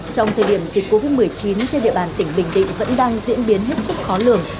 trong thời điểm dịch covid một mươi chín trên địa bàn tỉnh bình định vẫn đang diễn biến hết sức khó lường